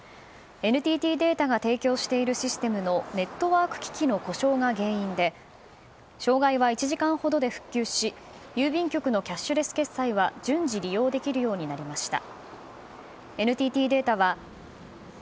ＮＴＴデータが提供しているシステムのネットワーク機器の故障が原因で障害は１時間ほどで復旧し郵便局のキャッシュレス決済は順次利用できるようになりました。